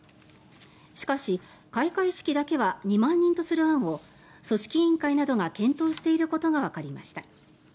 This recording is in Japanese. しかし、開会式だけは２万人とする案を組織委員会などが検討していることがわかりました。